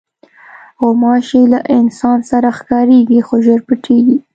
غوماشې له انسان سره ښکارېږي، خو ژر پټېږي.